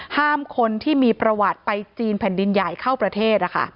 ห้ามคนที่มีประวัติไปจีนแผ่นดินใหญ่เข้าประเทศ